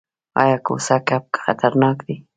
ایا کوسه کب خطرناک دی؟